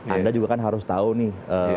anda juga kan harus tahu nih